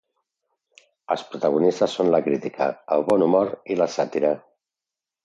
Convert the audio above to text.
Els protagonistes són la crítica, el bon humor i la sàtira.